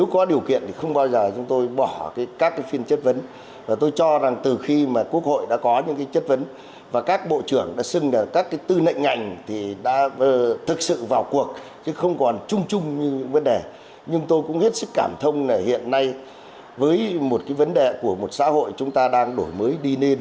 cái vấn đề của một xã hội chúng ta đang đổi mới đi nên